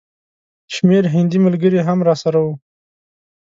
شمېر هندي ملګري هم راسره وو.